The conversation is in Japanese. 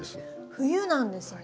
冬なんですね。